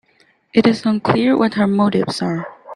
It is unclear what her motives are.